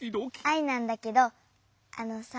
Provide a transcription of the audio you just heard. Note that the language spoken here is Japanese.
アイなんだけどあのさ。